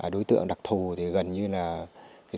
đối tượng đặc thù thì gần như là